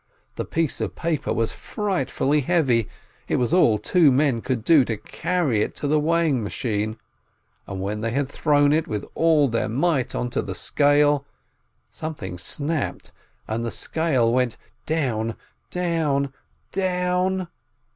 The piece of paper was frightfully heavy, it was all two men could do to carry it to the weighing machine, and when they had thrown it with all their might onto the scale, something snapped, and the scale went down, down, down.